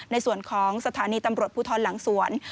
ในส่วนของสถานีตำรวจภูทรหลังสวน